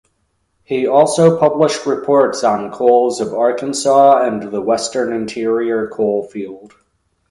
He also published reports on coals of Arkansas and the Western Interior Coal Field.